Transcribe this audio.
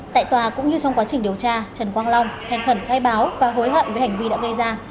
tại tòa cũng như trong quá trình điều tra trần quang long thành khẩn khai báo và hối hận với hành vi đã gây ra